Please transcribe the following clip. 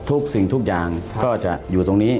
ทุกสิ่งทุกอย่างก็จะอยู่ตรงนี้